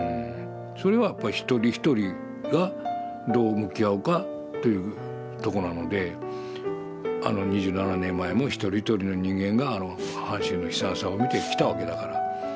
それはやっぱ一人一人がどう向き合うかというとこなのであの２７年前も一人一人の人間があの阪神の悲惨さを見てきたわけだから。